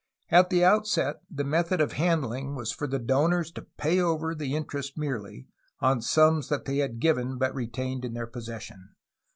At the outset the method of handling was for the donors to pay over the interest merely, on sums that they had given but retained in their possession.